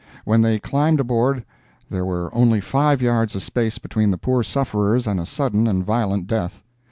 When they climbed aboard there were only five yards of space between the poor sufferers and a sudden and violent death.